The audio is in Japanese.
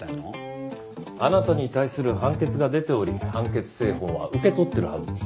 あなたに対する判決が出ており判決正本は受け取ってるはずです。